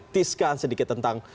tease kan sedikit tentang